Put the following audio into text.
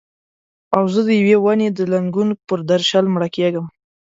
او زه د یوې ونې د لنګون پر درشل مړه کیږم